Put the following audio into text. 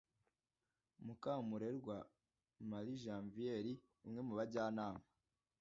Mukamurerwa Marie Janvière umwe mu bajyanama